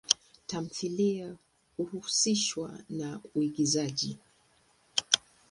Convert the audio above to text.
Tamthilia huhusishwa na uigizaji.